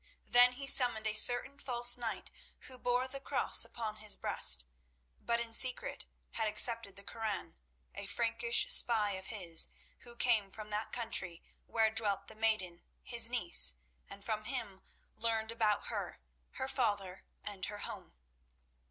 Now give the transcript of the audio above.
Then he summoned a certain false knight who bore the Cross upon his breast, but in secret had accepted the Koran, a Frankish spy of his, who came from that country where dwelt the maiden, his niece, and from him learned about her, her father, and her home.